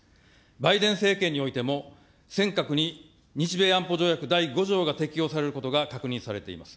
バイデン政権においても、尖閣に日米安保条約第５条が適用されることが確認されています。